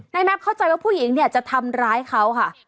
แม็ปเข้าใจว่าผู้หญิงเนี่ยจะทำร้ายเขาค่ะ